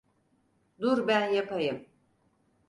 Dur ben yapayım.